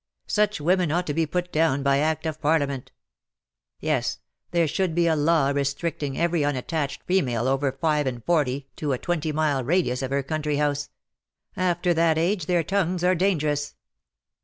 Such women ought to be put down by Act of Parliament. Yes, there should be a law restricting every unattached female over five and forty to a twenty mile radius of her country house. After that age their tongues are dangerous.